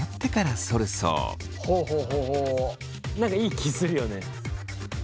何かいい気するよね。